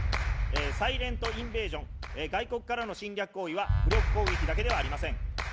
サイレント・インベージョン、外国からの侵略行為は武力攻撃だけではありません。